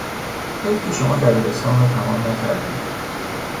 حیف که شما دبیرستان را تمام نکردید!